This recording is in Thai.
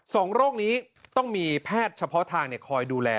สองโรคนี้ต้องมีแพทย์เฉพาะทางคอยดูแล